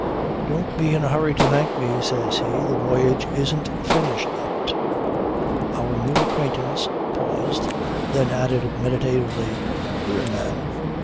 "Don't be in a hurry to thank me," says he. "The voyage isn't finished yet." Our new acquaintance paused, then added meditatively: "Queer man.